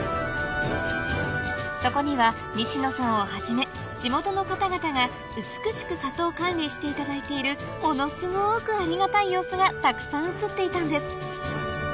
そこには西野さんをはじめ地元の方々が美しく里を管理していただいているものすごくありがたい様子がたくさん映っていたんです